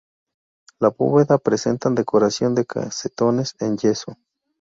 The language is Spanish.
Las bóveda presentan decoración de casetones en yeso.